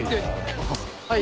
はい。